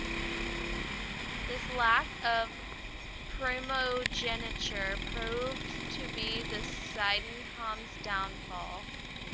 This lack of primogeniture proved to be the Sydenham's downfall.